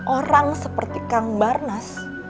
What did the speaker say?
orang seperti kang barnas